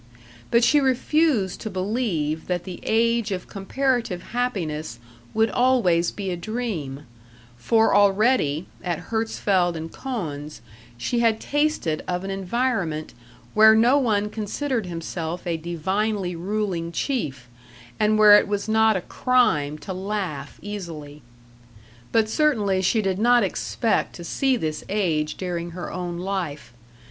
But she refused to believe that the age of comparative happiness would always be a dream; for already, at Herzfeld & Cohn's she had tasted of an environment where no one considered himself a divinely ruling chief, and where it was not a crime to laugh easily. But certainly she did not expect to see this age during her own life.